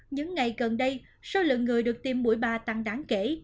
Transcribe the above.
những ngày gần đây số lượng người được tiêm mũi ba tăng đáng kể